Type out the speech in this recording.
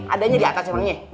adanya di atas emangnya